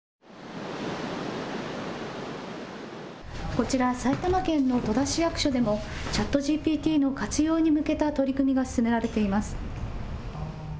こちら、埼玉県の戸田市役所でもＣｈａｔＧＰＴの活用に向けた取り組みが進められています。